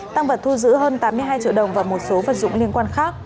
tăng vật thu giữ hơn tám mươi hai triệu đồng và một số vật dụng liên quan khác